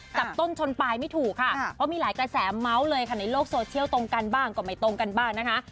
จับต้นชนปลายไม่ถูกค่ะเพราะมีหลายกระแสเมาส์เลยค่ะในโลกโซเชียลตรงกันบ้างก็ไม่ตรงกันบ้างนะคะ